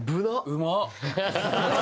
うまっ！